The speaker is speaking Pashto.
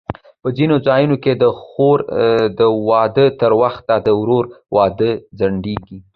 په ځینو ځایونو کې د خور د واده تر وخته د ورور واده ځنډېږي.